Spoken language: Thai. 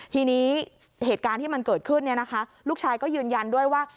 ทีนี้เหตุการณ์ที่มันเกิดขึ้นลูกชายก็ยืนยันด้วยว่า